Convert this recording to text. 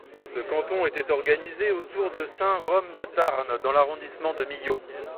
Ce canton était organisé autour de Saint-Rome-de-Tarn dans l'arrondissement de Millau.